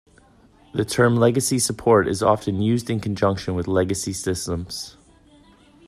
The term "legacy support" is often used in conjunction with legacy systems.